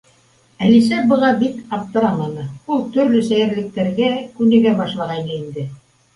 Әлисә быға бик аптыраманы —ул төрлө сәйерлектәргә күнегә башлағайны инде.